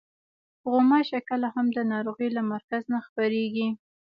غوماشې کله هم د ناروغۍ له مرکز نه خپرېږي.